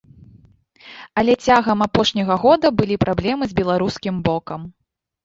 Але цягам апошняга года былі праблемы з беларускім бокам.